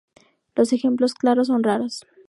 Los ejemplos claros son raros.